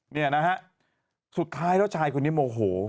เนี่ยนะฮะสุดท้ายแล้วชายคนนี้โมโห